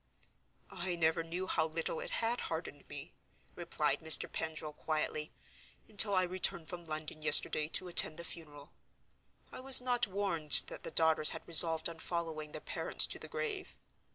"I never knew how little it had hardened me," replied Mr. Pendril, quietly, "until I returned from London yesterday to attend the funeral. I was not warned that the daughters had resolved on following their parents to the grave.